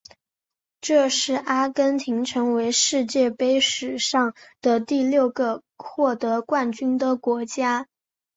这是阿根廷成为世界杯史上的第六个获得冠军的国家。